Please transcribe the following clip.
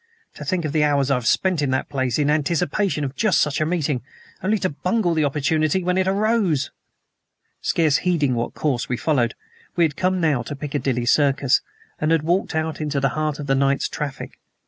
To think of the hours I have spent in that place, in anticipation of just such a meeting only to bungle the opportunity when it arose!" Scarce heeding what course we followed, we had come now to Piccadilly Circus, and had walked out into the heart of the night's traffic.